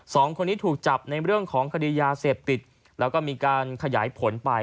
สองคนนี้ถูกจับในเรื่องของคดียาเสพติดแล้วก็มีการขยายผลไป